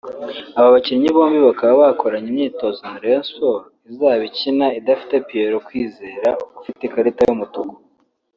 Aba bakinnyi bombi bakaba bakoranye imyitozo na Rayon Sports izaba ikina idafite Pierrot Kwizera ufite ikarita y'umutuku